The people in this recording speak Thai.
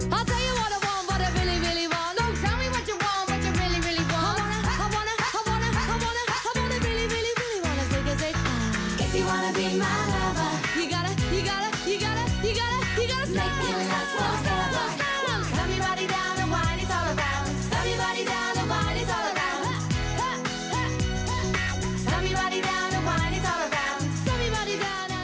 โปรดติดตามตอนต่อไป